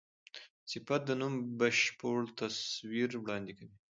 صفت د نوم بشپړ تصویر وړاندي کوي.